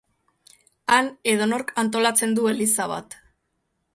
Han edonork antolatzen du eliza bat.